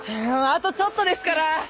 あとちょっとですから！